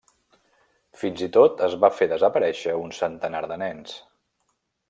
Fins i tot, es va fer desaparèixer un centenar de nens.